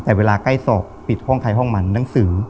แต่เวลาใกล้สอบปิดห้องใครห้องมันหนังสือ